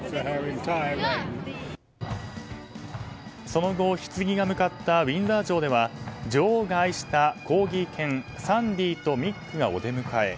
その後、ひつぎが向かったウィンザー城では女王が愛したコーギー犬サンディーとミックがお出迎え。